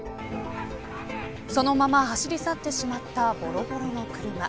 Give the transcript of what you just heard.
そのまま走り去ってしまったぼろぼろの車。